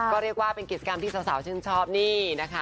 ก็เรียกว่าเป็นกิจกรรมที่สาวชื่นชอบนี่นะคะ